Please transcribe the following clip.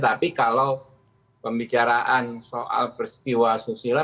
tapi kalau pembicaraan soal peristiwa susila